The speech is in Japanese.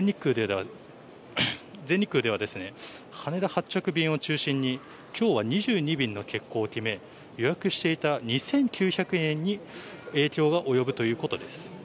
全日空では羽田発着便を中心に今日は２２便の欠航を決め予約していた２９００人に影響が及ぶということです。